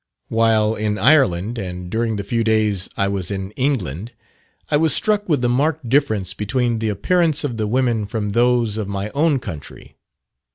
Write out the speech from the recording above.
While in Ireland, and during the few days I was in England, I was struck with the marked difference between the appearance of the women from those of my own country.